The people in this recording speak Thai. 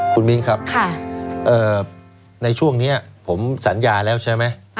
คุณมิ้นครับในช่วงนี้ผมสัญญาแล้วใช่ไหม